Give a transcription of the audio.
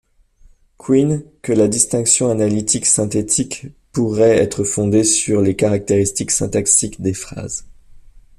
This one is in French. Quine, que la distinction analytique–synthétique pourrait être fondée sur les caractéristiques syntaxiques des phrases.